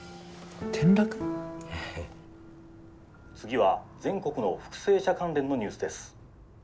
「次は全国の復生者関連のニュースです」。